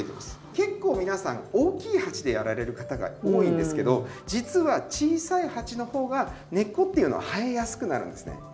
結構皆さん大きい鉢でやられる方が多いんですけど実は小さい鉢のほうが根っこっていうのは生えやすくなるんですね。